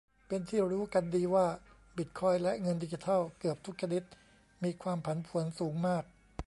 เป็นที่รู้กันดีว่าบิตคอยน์และเงินดิจิทัลเกือบทุกชนิดมีความผันผวนสูงมาก